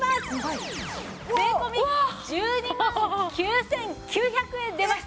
税込１２万９９００円出ました。